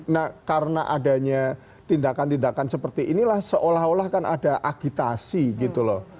nah karena adanya tindakan tindakan seperti inilah seolah olah kan ada agitasi gitu loh